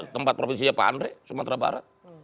tempat provinsinya pak andre sumatera barat